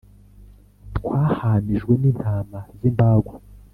Twahwanijwe n intama z imbagwa